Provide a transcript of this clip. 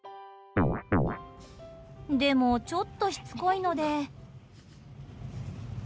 でも、ちょっとしつこいので。